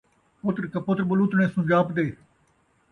پتر کپتر ٻلوتݨے سنڄاپدے